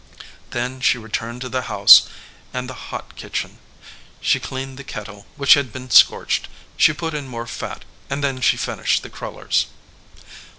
Then she returned to the house and the hof 8 SARAH EDGEWATER kitchen. She cleaned the kettle which had been scorched ; she put in more fat ; and then she finished the crullers.